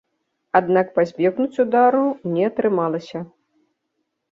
Аднак пазбегнуць удару не атрымалася.